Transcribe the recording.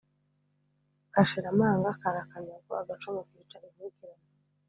Kashira amanga karakanyagwa.-Agacumu kica inkurikirane.